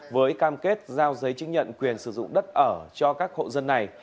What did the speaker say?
với cam kết giao giấy chứng nhận quyền sử dụng đất ở cho các hộ dân này